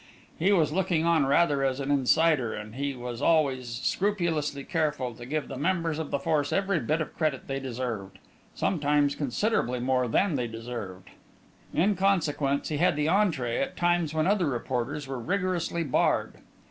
He was looked on rather as an insider, and he was always scrupulously careful to give the members of the force every bit of credit they deserved sometimes considerably more than they deserved. In consequence, he had the entree at times when other reporters were rigorously barred.